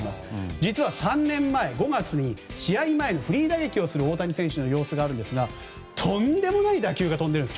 実は３年前５月に試合前にフリーバッティングをする大谷選手の様子があるんですがとんでもない打球が飛んでいるんです。